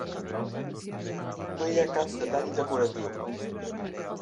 No hi ha cap detall decoratiu.